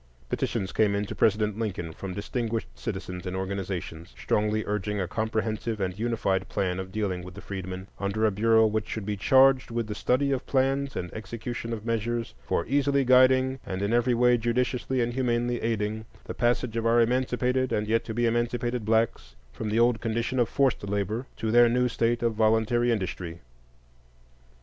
Petitions came in to President Lincoln from distinguished citizens and organizations, strongly urging a comprehensive and unified plan of dealing with the freedmen, under a bureau which should be "charged with the study of plans and execution of measures for easily guiding, and in every way judiciously and humanely aiding, the passage of our emancipated and yet to be emancipated blacks from the old condition of forced labor to their new state of voluntary industry."